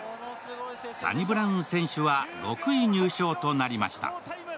サニブラウン選手は６位入賞となりました。